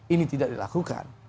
ini tidak dilakukan